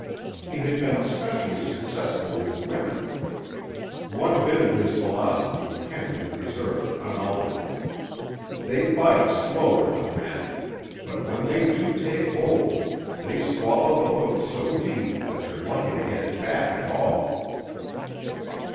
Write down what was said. He had been specially successful with women. One bit of his philosophy Kent had preserved unaltered. "They bite slower than men; but when they do take hold, they swallow the hook so deep that you're lucky to get it back at all."